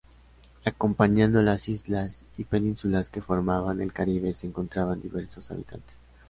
Acompañando las islas y penínsulas que formaban el Caribe se encontraban diversos habitantes.